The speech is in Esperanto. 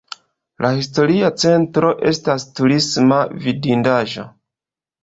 La historia centro estas turisma vidindaĵo.